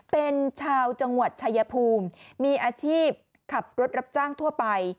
เป็นชาวจังหวัดชายภูมิมีอาชีพขับรถรับจ้างทั่วไป